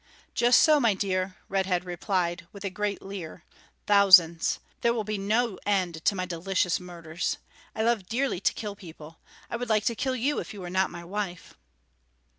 "Just so, my dear," Red Head replied, with a great leer, "thousands. There will be no end to my delicious murders. I love dearly to kill people. I would like to kill you if you were not my wife."